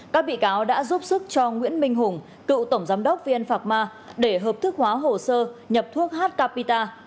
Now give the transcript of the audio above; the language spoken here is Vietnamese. các bị cáo đã giúp sức cho nguyễn minh hùng cựu tổng giám đốc vn phạc ma để hợp thức hóa hồ sơ nhập thuốc h capita